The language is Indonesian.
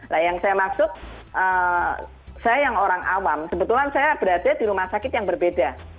nah yang saya maksud saya yang orang awam kebetulan saya berada di rumah sakit yang berbeda